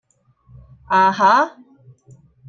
啊呀